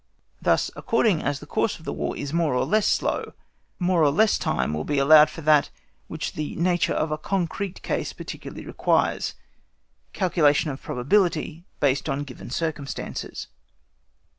Thus, according as the course of the War is more or less slow, more or less time will be allowed for that which the nature of a concrete case particularly requires, calculation of probability based on given circumstances.